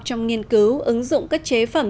trong nghiên cứu ứng dụng các chế phẩm